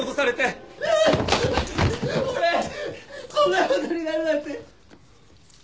俺こんな事になるなんて。